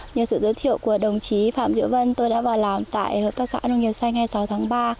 như sự giới thiệu của đồng chí phạm diễu vân tôi đã vào làm tại hợp tác xã nông nghiệp xanh hai mươi sáu tháng ba